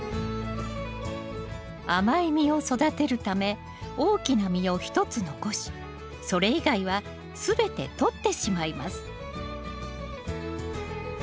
甘い実を育てるため大きな実を１つ残しそれ以外はすべてとってしまいます